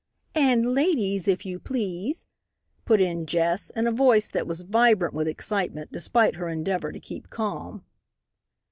"And ladies, if you please," put in Jess, in a voice that was vibrant with excitement, despite her endeavor to keep calm.